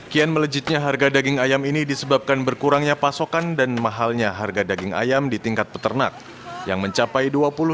kian melejitnya harga daging ayam ini disebabkan berkurangnya pasokan dan mahalnya harga daging ayam di tingkat peternak yang mencapai rp dua puluh lima per kilo